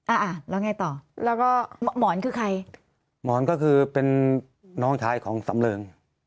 อ่าแล้วไงต่อแล้วก็หมอนคือใครหมอนก็คือเป็นน้องชายของสำเริง